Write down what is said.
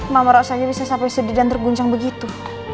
mama rasanya bisa sampai sedih dan terguncang begitu